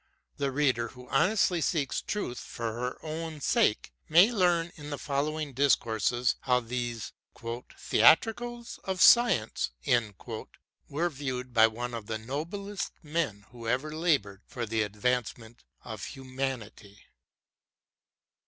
The reader who honestly seeks truth for her own sake, may learn in the following discourses how those " theatricals of science" were viewed by one of the noblest men who ever laboured for the advancement of humanity.